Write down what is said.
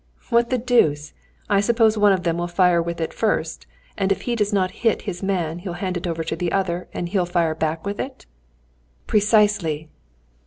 "What the deuce? I suppose one of them will fire with it first, and if he does not hit his man he'll hand it over to the other, and he'll fire back with it?" "Precisely!"